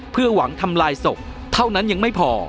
เพื่อหวังทำลายศพเท่านั้นยังไม่พอ